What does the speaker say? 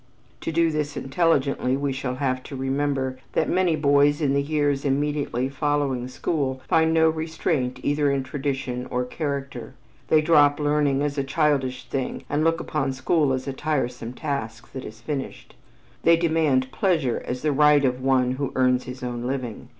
To do this intelligently, we shall have to remember that many boys in the years immediately following school find no restraint either in tradition or character. They drop learning as a childish thing and look upon school as a tiresome task that is finished. They demand pleasure as the right of one who earns his own living.